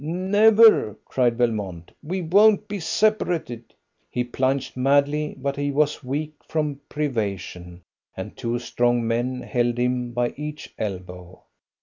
"Never!" cried Belmont. "We won't be separated!" He plunged madly, but he was weak from privation, and two strong men held him by each elbow.